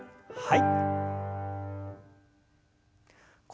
はい。